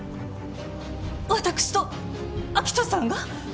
私と明人さんが？